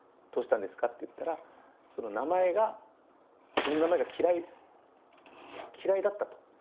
「どうしたんですか？」って言ったらその名前が「自分の名前が嫌いだった」と。